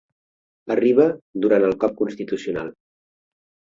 Arriba durant el cop constitucional.